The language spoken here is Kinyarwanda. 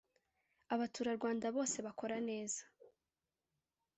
Abaturarwanda bose bakora neza.